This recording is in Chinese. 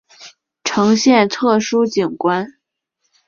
呈现特殊景观